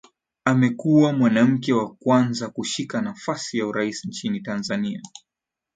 Amekuwa mwanamke wa kwanza kushika nafasi ya urais nchini Tanzania